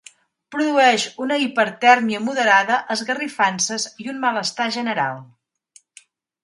Produeix una hipertèrmia moderada, esgarrifances i un malestar general.